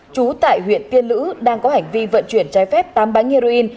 trú tại huyện tiên lữ đang có hành vi vận chuyển trái phép tám bánh heroin